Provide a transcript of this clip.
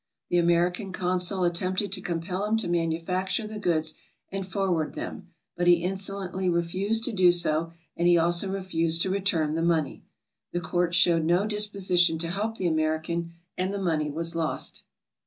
The American consul attempted to compel him to manufac ture the goo<ds and forward them, but he insolently refused to do so and he also refused to return the money. The courts showed no disposition to help the American and the money was lost.